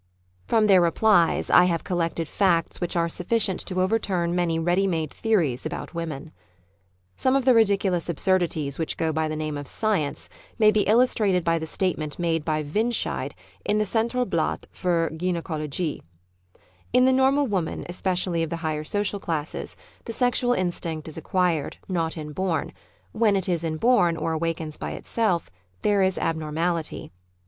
From their replies I have collected tacts which are sufficient to overturn many ready made theories about women. Some of the ridiculous absurdities which go by the name of science may be illustrated by the statement made by Windscheid in the Centralblatt fiir Gyna kologie :" In the normal woman, especially of the higher social classes, the sexual instinct is acquired not inborn; when it is inborn, or awakens by itself,' there is abnormaUty.